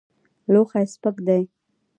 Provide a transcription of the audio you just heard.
لوښی سپک دی.